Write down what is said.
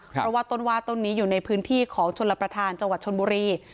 เพราะว่าต้นว่าต้นนี้อยู่ในพื้นที่ของชลประธานจังหวัดชนบุรี